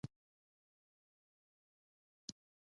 پکورې له هوږې سره چټني غواړي